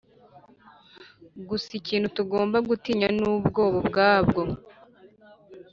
gusa ikintu tugomba gutinya ni ubwoba ubwabwo.